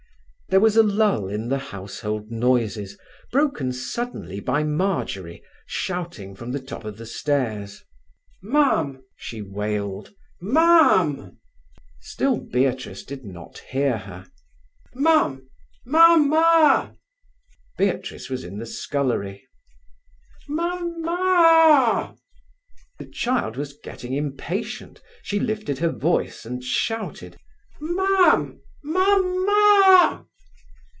There was a lull in the household noises, broken suddenly by Marjory, shouting from the top of the stairs: "Mam!" She wailed. "Mam!" Still Beatrice did not hear her. "Mam! Mamma!" Beatrice was in the scullery. "Mamma a!" The child was getting impatient. She lifted her voice and shouted: "Mam? Mamma!"